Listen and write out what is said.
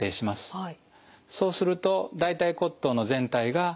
はい。